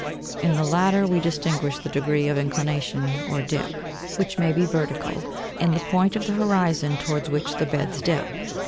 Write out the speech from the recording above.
In the latter we dis tinguish the degree of inclination, or dip, which may be vertical, and the point of the horizon towards which the beds dip.